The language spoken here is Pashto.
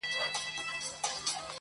پښتنه ده؛ خو مهینه راته ګوري